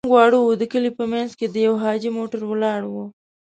موږ واړه وو، د کلي په منځ کې د يوه حاجي موټر ولاړ و.